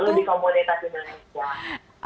selalu di komunitas indonesia